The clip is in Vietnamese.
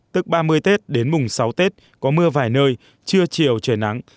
tức ba mươi tết đến mùng sáu tết có mưa vài nơi trưa chiều trời nắng